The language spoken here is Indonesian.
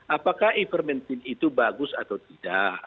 apakah ivermintin itu bagus atau tidak